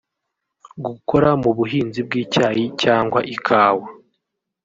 gukora mu buhinzi bw’icyayi cyangwa ikawa